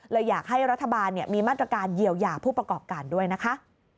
อยากให้รัฐบาลมีมาตรการเยียวยาผู้ประกอบการด้วยนะคะ